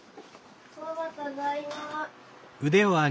ママただいま。